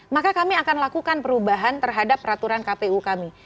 maka kami akan lakukan perubahan terhadap peraturan kpu kami